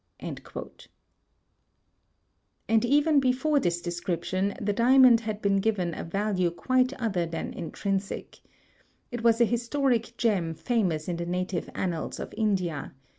And even before this description, the Diamond had been given a value quite other than intrinsic. It was a historic gem famous in the native annals of India.